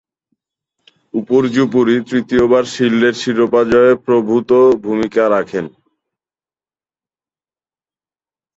উপর্যুপরি তৃতীয়বার শিল্ডের শিরোপা জয়ে প্রভূতঃ ভূমিকা রাখেন।